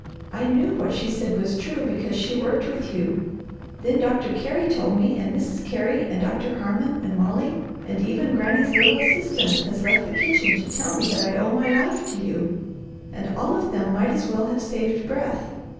I knew what she said was true, because she worked with you. Then Doctor Carey told me, and Mrs. Carey, and Doctor Harmon, and Molly, and even Granny's little assistant has left the kitchen to tell me that I owe my life to you, and all of them might as well have saved breath.